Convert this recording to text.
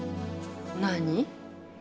何？